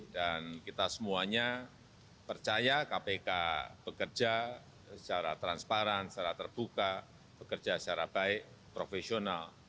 dan kita semuanya percaya kpk bekerja secara transparan secara terbuka bekerja secara baik profesional